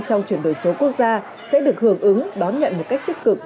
trong chuyển đổi số quốc gia sẽ được hưởng ứng đón nhận một cách tích cực